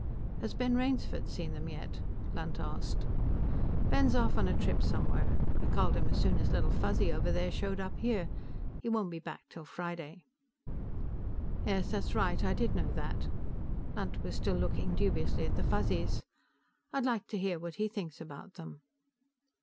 "Has Ben Rainsford seen them yet?" Lunt asked. "Ben's off on a trip somewhere. I called him as soon as Little Fuzzy, over there, showed up here. He won't be back till Friday." "Yes, that's right; I did know that." Lunt was still looking dubiously at the Fuzzies. "I'd like to hear what he thinks about them."